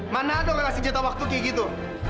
mana ada orang yang sijata waktu kayak gitu